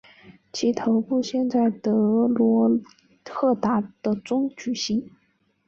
其头部现在在德罗赫达的中展出。